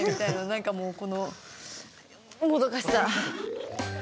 なんかもうこのもどかしさ！